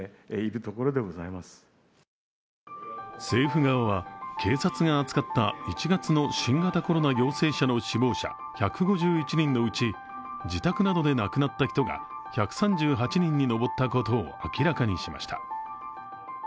政府側は、警察が扱った１月の新型コロナ陽性者の死亡者１５１人のうち自宅などで亡くなった人が１３８人に上ったことを明らかにしました。